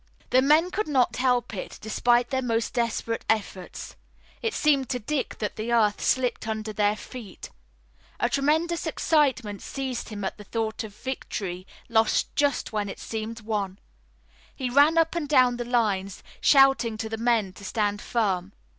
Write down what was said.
The men could not help it, despite their most desperate efforts. It seemed to Dick that the earth slipped under their feet. A tremendous excitement seized him at the thought of victory lost just when it seemed won. He ran up and down the lines, shouting to the men to stand firm.